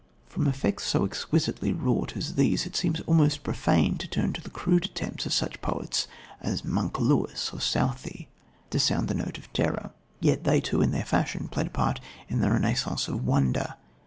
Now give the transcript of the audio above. From effects so exquisitely wrought as these it seems almost profane to turn to the crude attempts of such poets as "Monk" Lewis or Southey to sound the note of terror. Yet they too, in their fashion, played a part in the "Renascence of Wonder."